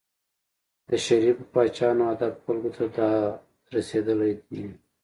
د شریفو پاچاهانو هدف خلکو ته داد رسېدل دي.